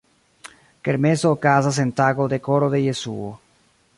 Kermeso okazas en tago de Koro de Jesuo.